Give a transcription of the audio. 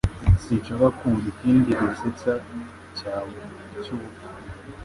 Sinshaka kumva ikindi gisetsa cyawe cyubupfu